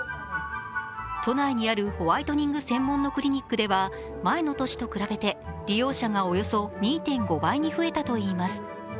都内にあるホワイトニング専門のクリニックでは、前の年と比べて、利用者がおよそ２．５倍に増えたといいます。